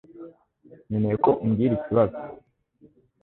Nkeneye ko umbwira ikibazo